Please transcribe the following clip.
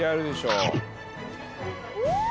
うん！